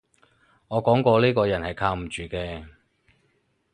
我講過呢個人係靠唔住嘅